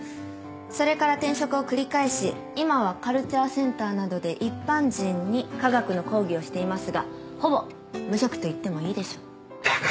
それから転職を繰り返し今はカルチャーセンターなどで一般人に科学の講義をしていますがほぼ無職といってもいいでしょう。